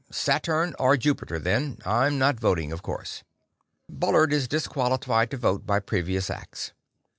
"Saturn or Jupiter, then. I'm not voting, of course. Bullard is disqualified to vote by previous acts."